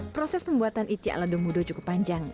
proses pembuatan itiak lado mudo cukup panjang